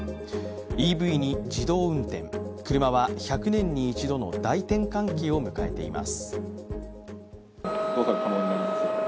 ＥＶに自動運転、クルマは１００年に一度の大転換期を迎えています。